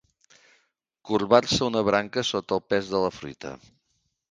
Corbar-se una branca sota el pes de la fruita.